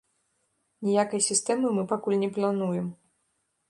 Ніякай сістэмы мы пакуль не плануем.